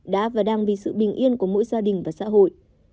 đã và đang vì sự bình yên của mỗi gia đình và xã hội